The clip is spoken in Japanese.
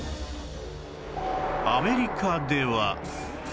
アメリカでは